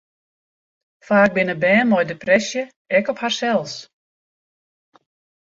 Faak binne bern mei depresje ek op harsels.